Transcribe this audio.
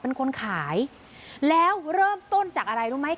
เป็นคนขายแล้วเริ่มต้นจากอะไรรู้ไหม